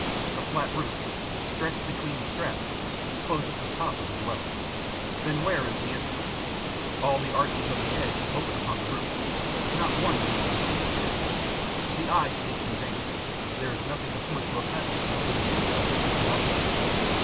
A flat roof, stretched between the straps, closes the top of the dwelling. Then where is the entrance? All the arches of the edge open upon the roof; not one leads to the interior. The eye seeks in vain; there is nothing to point to a passage between the inside and the outside.